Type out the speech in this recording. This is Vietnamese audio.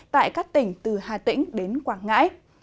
tại các tỉnh từ hà tĩnh đến quảng ngãi